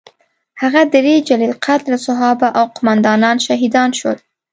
هغه درې جلیل القدره صحابه او قوماندانان شهیدان شول.